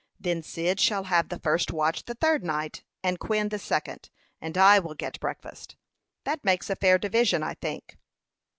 Then Cyd shall have the first watch the third night, and Quin the second, and I will get breakfast. That makes a fair division, I think."